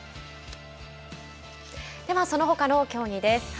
ではそのほかの競技です。